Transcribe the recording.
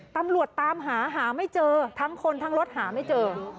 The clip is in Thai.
ตำรวจตามหาหาไม่เจอทั้งคนทั้งรถหาไม่เจอ